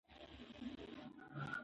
که مورنۍ ژبه وي نو زده کړه خوندور وي.